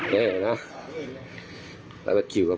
เย่นะรับบัตรคิวครับผม